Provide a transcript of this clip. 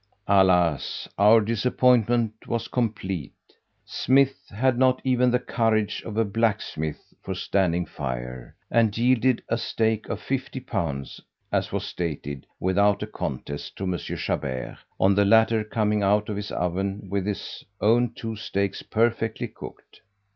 Alas, our disappointment was complete! Smith had not even the courage of a blacksmith for standing fire, and yielded a stake of L50, as was stated, without a contest, to M. Chabert, on the latter coming out of his oven with his own two steaks perfectly cooked.